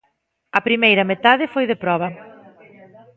A primeira metade foi de proba.